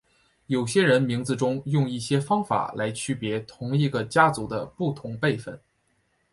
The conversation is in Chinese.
有些人名字中用一些方法来区别同一个家族的不同辈分。